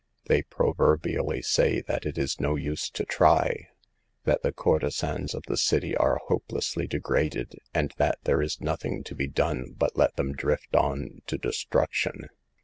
They proverbially say that it is no use to try ; that the courtesans of the city are hopelessly degraded, and that there is nothing to be done but let them drift on to destruction.